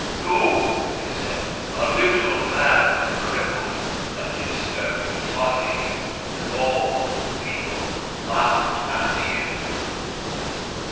" You !" they said. " A little man, and crippled ! That is very funny." And all the people laughed at him.